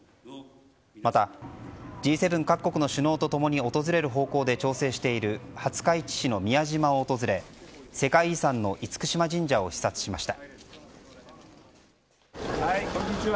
また、Ｇ７各国の首脳とともに訪れる方向で調整している廿日市市の宮島を訪れ世界遺産の厳島神社を視察しました。